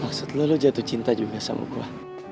maksud lu lu jatuh cinta juga sama gua